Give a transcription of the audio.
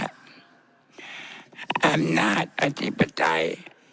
อำนาจอธิบทัย